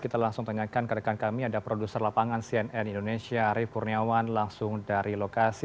kita langsung tanyakan ke rekan kami ada produser lapangan cnn indonesia arief purniawan langsung dari lokasi